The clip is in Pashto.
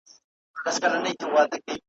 په ریاکاره ناانسانه ژبه ,